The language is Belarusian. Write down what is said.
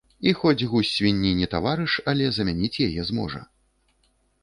І хоць гусь свінні не таварыш, але замяніць яе зможа.